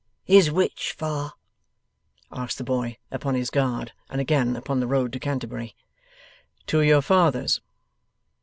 'Is which far?' asked the boy, upon his guard, and again upon the road to Canterbury. 'To your father's?